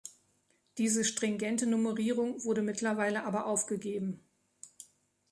Diese stringente Nummerierung wurde mittlerweile aber aufgegeben.